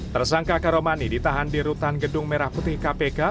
tersangka karomani ditahan di rutan gedung merah putih kpk